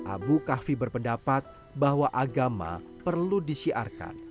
abu kahfi berpendapat bahwa agama perlu disiarkan